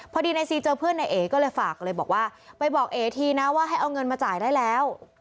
พอดีในซีเจอเพื่อนในเอก็เลยฝากเลยบอกว่าไปบอกเอ๋ทีนะว่าให้เอาเงินมาจ่ายได้แล้ว